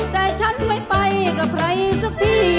แต่ฉันไม่ไปกับใครสักที